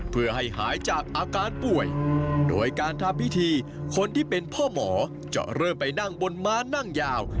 เพื่อให้หายจากอาการป่วยโดยการทำพิธีคนที่เป็นพ่อหมอจะเริ่มไปนั่งบนม้านั่งยาว